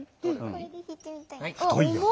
これでひいてみたい。